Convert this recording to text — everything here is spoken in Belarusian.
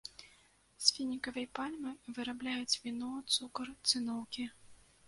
З фінікавай пальмы вырабляюць віно, цукар, цыноўкі.